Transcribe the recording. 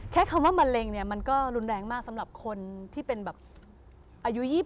คำว่ามะเร็งเนี่ยมันก็รุนแรงมากสำหรับคนที่เป็นแบบอายุ๒๐